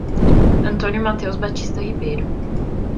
Antônio Mateus Batista Ribeiro